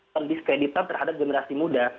pen diskredita terhadap generasi muda